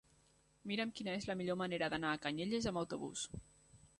Mira'm quina és la millor manera d'anar a Canyelles amb autobús.